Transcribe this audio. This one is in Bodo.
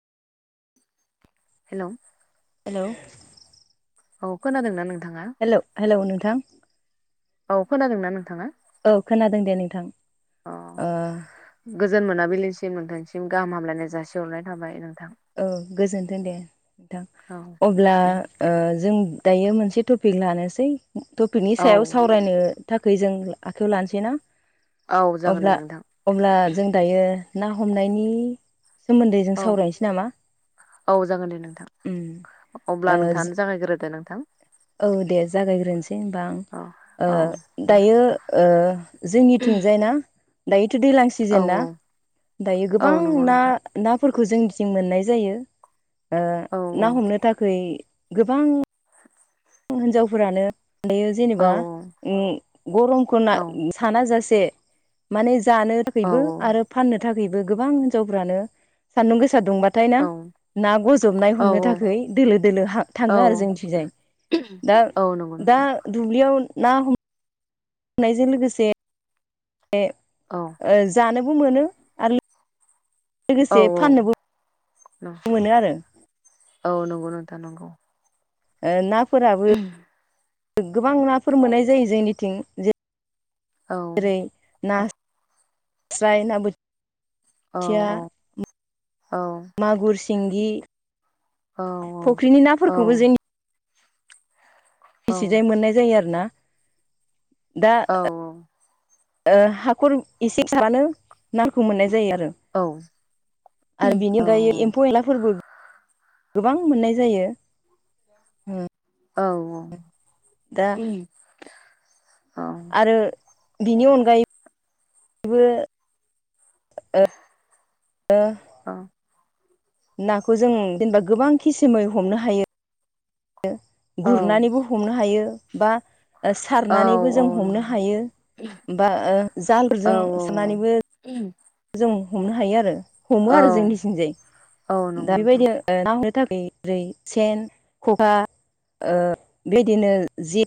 हेल' हेलौ औ खोनादोंना नोंथाङा? - हेल हेलौ नोंथां। औ खोनादों ना नोंथाङा? औ खोनादों दे नोंथां। अ ओ गोजोन मोनाबिलिसिम नोंथांसिम गाहाम हामलायनाय जासिहरनाय थाबाय नोंथां। औ गोजोन्थों दे नथां। औ अब्ला ओ जों दायो मोनसे टपिक लानोसै टपिकनि औ सायाव सावरायनो थाखै जों आखाइायाव लानोसै ना औ जागोन दे अब्ला- नोंथां अब्ला जों दायो ना हमनायनि सोमोन्दै जों औ सावरायस औ जागोन दे नोंथां उम अब्ला ओ नोंथाङानो जागायग्रोदो नोंथां। औ दे जागायग्रोनोसै होनबा आं। औ ओ औ दे दायो ओ जोंनिथिंजाय ना दायोथ' दैज्लां औ सिजेन ना औ दायो औ गोबां नंगौ ना नोंथां नाफोरखौ जोंथिं मोननाय जायो, ओ औ ना हमनो थाखै गोबां हिनजावफोरानो दायो औ जेनेबा उम गरमखौ ना औ साना जासे माने जानो औ थाखायबो आरो फाननो थाखायबो गोबां हिनजावफ्रानो सान्दुं गोसा दुंबा थायना औ ना गजबनाय हमनो थाखाय दोलो दोलो हा औ थाङो आरो जोंनिथिंजाय दा औ नंगौ दा नोंथां दुब्लियाव ना [unintelligible] हम हमनायजों लोगोसे [unintelligible] औ ओ जानोबो मोनो आरो औ लोगोसे औ फाननोबो मोनो आरो औ नोंगौ नोंथा नोंगौ ओ नाफोराबो गोबां नाफोर मोननाय जायो जोंनिथिं जे औ रै औ नाास्राय ना औ बोथिया औ मागुर सिंगि औ फुख्रिनि औ नाफोरखौबो जोंनि औ जोंनिसिजाय मोननाय जायो आरो ना दा नोंथां ओ हाखर एसे सारानो नाखौ मोननाय जायो आरो आरो औ बेनिगायै एम्फौ एनलाफोरबो गोबां मोननाय जायो उम औ औ दा उम औ ओ बिनि अनगायैबो [unintelligible] ओ ़ [unintelligible] अ नाखौ जों जेनेबा गोबां खिसुमै हमनो हायो औ गुरनानैबो हमनो हायो बा ओ सारनानैबो जों हमनो हायो बा ओ जालजों सारनानैबो उम जों हमनो हायो आरो हमो औ आरो जोंनिसिंजाय औ दा नंगौ नोंथां बेबायदिनो ना हमनो थाखाय जेरै सेन खखा बेबायदिनो ओ जि